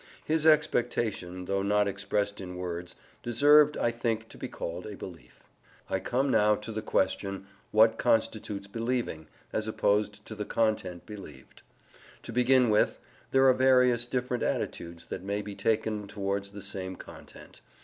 His expectation, though not expressed in words, deserved, I think, to be called a belief. I come now to the question what constitutes believing, as opposed to the content believed. To begin with, there are various different attitudes that may be taken towards the same content.